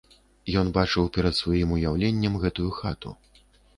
Ён бачыў перад сваім уяўленнем гэтую хату.